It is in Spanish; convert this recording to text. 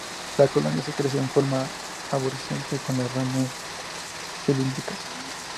La colonia crece en forma arborescente, con las ramas cilíndricas.